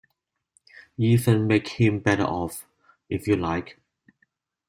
Even make him better off, if you like.